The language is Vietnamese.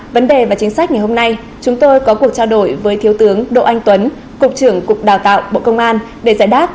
vấn đề và chính sách ngày hôm nay chúng tôi có cuộc trao đổi với thiếu tướng đỗ anh tuấn cục trưởng cục đào tạo bộ công an để giải đáp